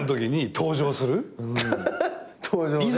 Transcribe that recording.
登場ね。